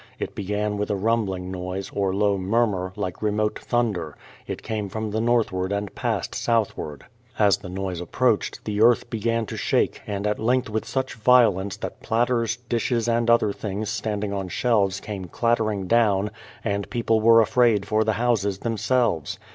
It began with a rumbling noise, or low murmur, like remote thunder; it came from the northward and passed southward. As the noise approached, the earth began to shake, and at length with such violence that platters, dishes, and other things standing on shelves came clattering dovv^n, and people were afraid for the houses THE PLYT^IOUTH SETTLEISIENT 297 themselves.